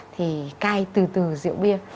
thì cay từ từ rượu bia